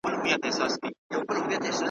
ژونــد په کـنړ کابل او ژوب غواړم چې نه ونکړې